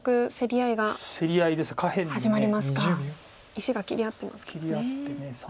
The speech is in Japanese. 石が切り合ってますからね。